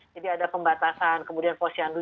jadi ada pembatasan kemudian posyandu